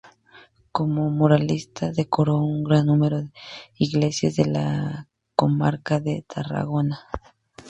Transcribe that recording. Como muralista decoró un gran número de iglesias de las comarcas de Tarragona.